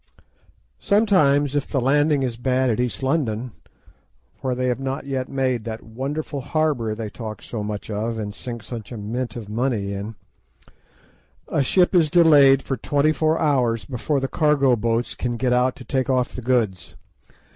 Sometimes, if the landing is bad at East London, where they have not yet made that wonderful harbour they talk so much of, and sink such a mint of money in, a ship is delayed for twenty four hours before the cargo boats can get out to take off the goods.